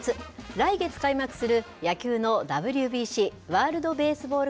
来月開幕する野球のＷＢＣ・ワールドベースボール